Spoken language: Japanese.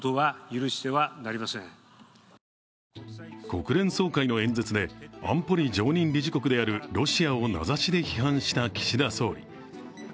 国連総会の演説で安保理常任理事国であるロシアを名指しで批判した岸田総理。